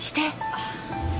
あっ。